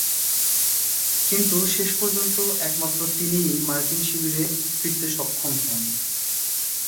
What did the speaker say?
কিন্তু শেষ পর্যন্ত একমাত্র তিনিই মার্কিন শিবিরে ফিরতে সক্ষম হন।